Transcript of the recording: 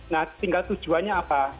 nah tinggal tujuannya apa